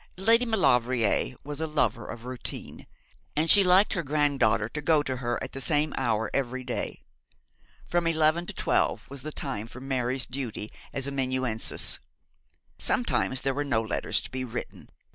Lady Maulevrier was a lover of routine, and she liked her granddaughter to go to her at the same hour every day. From eleven to twelve was the time for Mary's duty as amanuensis. Sometimes there were no letters to be written.